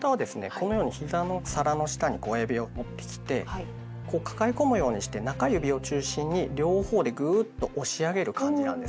このようにひざの皿の下に親指を持ってきてこう抱え込むようにして中指を中心に両方でグーッと押し上げる感じなんですね。